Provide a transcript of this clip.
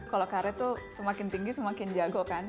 kalau karet tuh semakin tinggi semakin jago kan